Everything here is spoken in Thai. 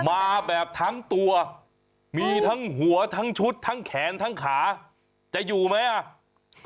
มาแบบทั้งตัวมีทั้งหัวทั้งชุดทั้งแขนทั้งขาจะอยู่ไหมอ่ะ